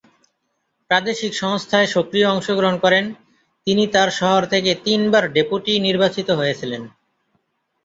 প্রাদেশিক সংস্থায় সক্রিয় অংশ গ্রহণ করেন, তিনি তার শহর থেকে তিনবার ডেপুটি নির্বাচিত হয়েছিলেন।